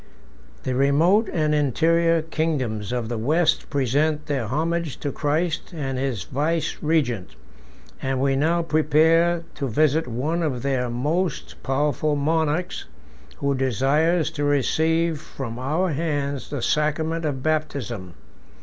35 The remote and interior kingdoms of the West present their homage to Christ and his vicegerent; and we now prepare to visit one of their most powerful monarchs, who desires to receive from our hands the sacrament of baptism.